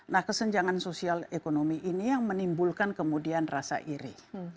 nah kesenjangan sosial ekonomi ini yang menimbulkan kemudian rasa iri